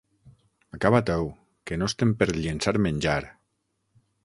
Acaba-t'ho, que no estem per llençar menjar!